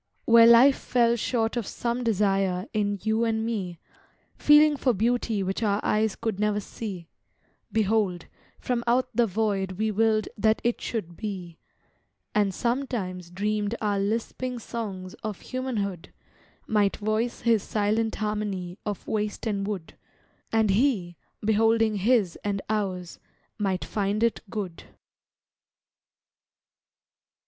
Where life fell short of some desire In you and me, Feeling for beauty which our eyes Could never see, Behold, from out the void we willed That it should be, And sometimes dreamed our lisping songs Of humanhood Might voice his silent harmony Of waste and wood, And he, beholding his and ours, Might find it good.